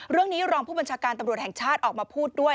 รองผู้บัญชาการตำรวจแห่งชาติออกมาพูดด้วย